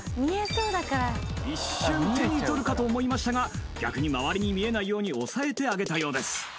一瞬手に取るかと思いましたが逆に周りに見えないように押さえてあげたようです